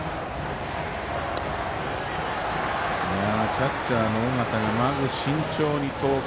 キャッチャーの尾形がまず慎重に遠く。